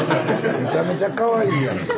めちゃめちゃかわいいやんか。